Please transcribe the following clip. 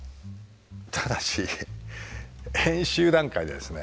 ただし編集段階でですね